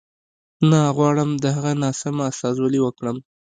نه غواړم د هغه ناسمه استازولي وکړم.